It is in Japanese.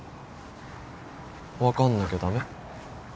分かんなきゃ駄目？